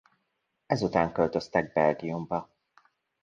Ezután költöztek Belgiumba.